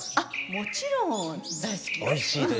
もちろん大好きよ。